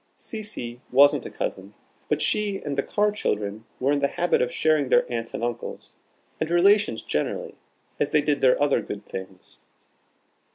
Cecy wasn't a cousin, but she and the Carr children were in the habit of sharing their aunts and uncles, and relations generally, as they did their other good things.